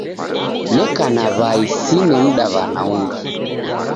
Neka na w'ai sine mdaw'ana ungi.